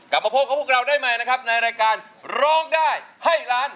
กลับมาพบกับพวกเราได้ใหม่นะครับในรายการร้องได้ให้ล้าน